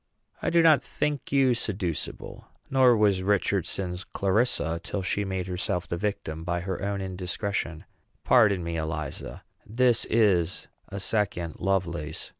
"I do not think you seducible; nor was Richardson's Clarissa till she made herself the victim by her own indiscretion. Pardon me, Eliza this is a second Lovelace.